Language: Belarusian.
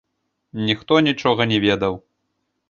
Ніхто нічога не ведаў.